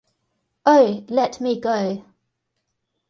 Oh, let me go!